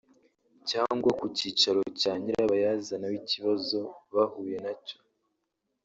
cyangwa ku cyicaro cya Nyirabayazana w’ikibazo bahuye nacyo